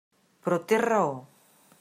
Però té raó.